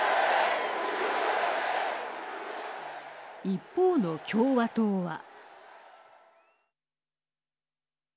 一方の共和党は。